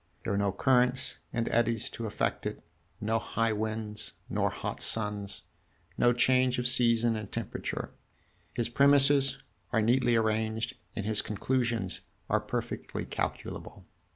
There are no currents and eddies to affect it, no high winds nor hot suns, no changes of season and temperature. His premises are neatly arranged, and his conclusions are perfectly calculable."